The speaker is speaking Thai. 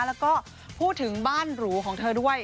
แล้วก็พูดถึงบ้านหรูของเธอด้วย